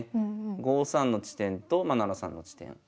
５三の地点と７三の地点。